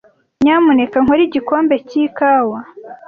Nyamuneka nkore igikombe cy'ikawa.